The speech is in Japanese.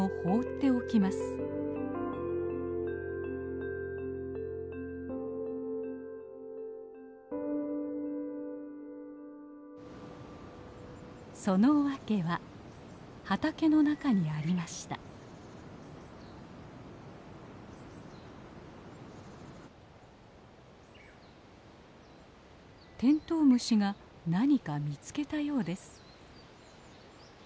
テントウムシが何か見つけたようです。